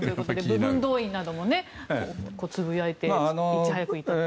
部分動員などもつぶやいていましたが。